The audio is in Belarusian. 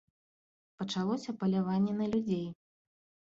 Пачалося паляванне на людзей.